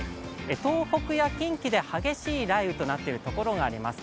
東北や近畿で激しい雷雨となっているところがあります。